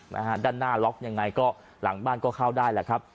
นะฮะด้านหน้าล็อกยังไงก็หลังบ้านก็เข้าได้แหละครับ